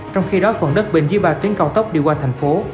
trong khi đó phần đất bên dưới ba tuyến cao tốc đi qua thành phố